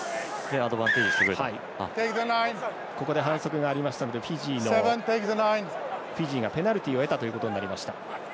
ここで反則がありましたのでフィジーがペナルティを得たということになりました。